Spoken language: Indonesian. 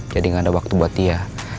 jadi gak ada waktu buat dia